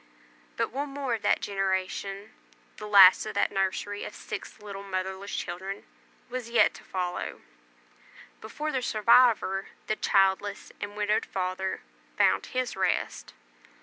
But one more of that generation the last of that nursery of six little motherless children was yet to follow, before the survivor, the childless and widowed father, found his rest.